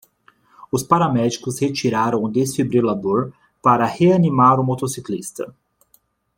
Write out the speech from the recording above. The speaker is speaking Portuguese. Os paramédicos retiraram o desfibrilador para reanimar o motociclista.